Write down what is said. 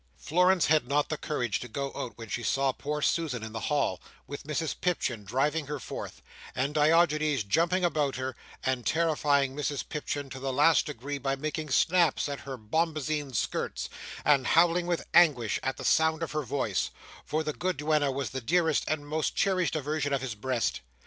Florence had not the courage to go out, when she saw poor Susan in the hall, with Mrs Pipchin driving her forth, and Diogenes jumping about her, and terrifying Mrs Pipchin to the last degree by making snaps at her bombazeen skirts, and howling with anguish at the sound of her voice—for the good duenna was the dearest and most cherished aversion of his breast.